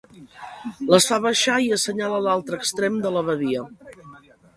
Les fa baixar i assenyala l'altre extrem de la badia.